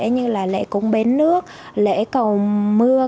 như là lễ cúng bến nước lễ cầu mưa